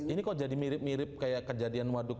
ini kok jadi mirip mirip kayak kejadian waduk